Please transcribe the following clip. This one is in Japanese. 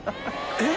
えっ？